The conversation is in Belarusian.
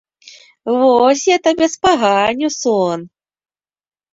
Вось я табе спаганю сон!